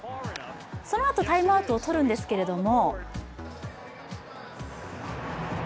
そのあとタイムアウトを取るんですけども。